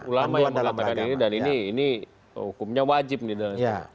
ulama yang mengatakan ini dan ini hukumnya wajib nih